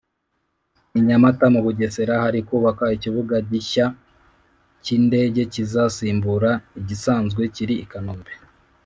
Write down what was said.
I nyamata mu bugesera hari kubakwa ikibuga gishya k’indege kizasimbura igisanzwe kiri I kanombe.